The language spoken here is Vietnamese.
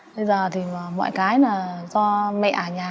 bây giờ thì mọi cái là do mẹ ở nhà